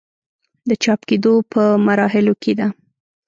د چاپ کيدو پۀ مراحلو کښې ده